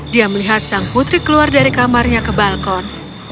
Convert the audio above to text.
dia melihat sang putri keluar dari kamarnya ke balkon